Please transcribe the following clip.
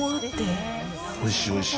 おいしい、おいしい。